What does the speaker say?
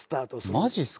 マジっすか？